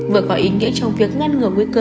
vừa có ý nghĩa trong việc ngăn ngừa nguy cơ